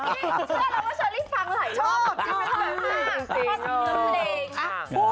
เชื่อแล้วว่าเชอร์ลิฟต์ฟังหลายชอบ